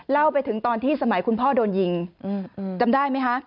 เล่าไปถึงตอนที่สมัยคุณพ่อโดนยิงจำได้ไหมคะ